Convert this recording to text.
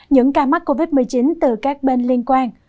những ca mắc covid một mươi chín từ các bên liên quan